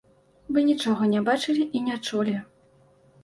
Вы нічога не бачылі і не чулі.